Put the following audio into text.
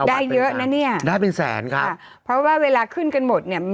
ได้เยอะนะเนี่ยได้เป็นแสนครับค่ะเพราะว่าเวลาขึ้นกันหมดเนี่ย